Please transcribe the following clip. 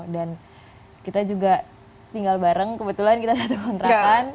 dan kita juga tinggal bareng kebetulan kita satu kontrakan